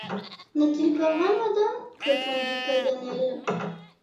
N’est-il pas vrai, madame? répondit Paganel.